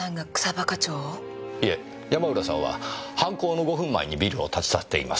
いえ山浦さんは犯行の５分前にビルを立ち去っています。